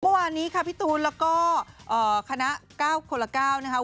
เมื่อวานนี้ค่ะพี่ตูนแล้วก็คณะ๙คนละ๙นะคะ